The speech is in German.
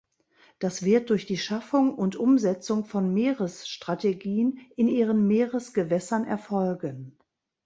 Das wird durch die Schaffung und Umsetzung von Meeresstrategien in ihren Meeresgewässern erfolgen.